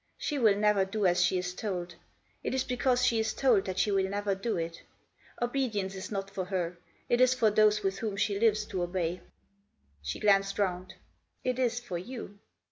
She will never do as she is told ; it is because she is told that she will never do it Obedience is not for her, it is for those with whom she lives to obey." She glanced round. " It is for you."